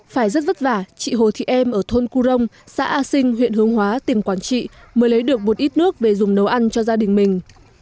phải rất vất vả chị hồ thị em ở thôn curong xã a sinh huyện hướng hóa tỉnh quảng trị mới lấy được một ít nước về dùng nấu ăn cho gia đình mình